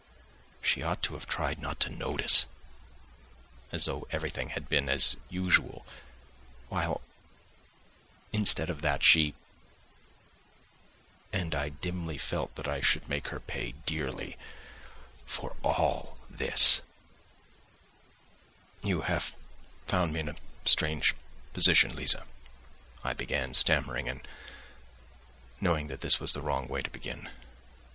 She ought to have tried not to notice, as though everything had been as usual, while instead of that, she ... and I dimly felt that I should make her pay dearly for all this. "You have found me in a strange position, Liza," I began, stammering and knowing that this was the wrong way to begin.